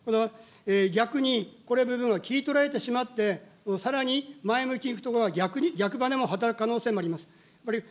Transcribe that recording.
逆に、この部分が切り取られてしまって、さらに前向き逆ばねも働く可能性もあります。